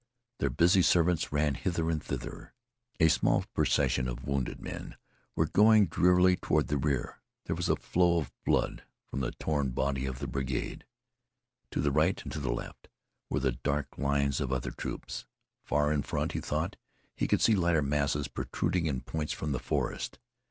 Their busy servants ran hither and thither. A small procession of wounded men were going drearily toward the rear. It was a flow of blood from the torn body of the brigade. To the right and to the left were the dark lines of other troops. Far in front he thought he could see lighter masses protruding in points from the forest.